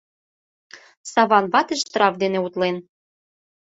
Саван вате штраф дене утлен.